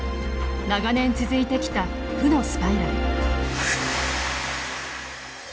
長年続いてきた負のスパイラル。